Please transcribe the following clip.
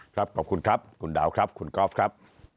ขอบคุณครับคุณดาวครับคุณกอล์ฟครับ